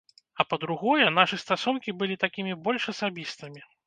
А па-другое, нашы стасункі былі такімі больш асабістымі.